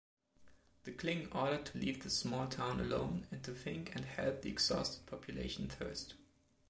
The King ordered to leave the small town alone and to think and help the exhausted population first.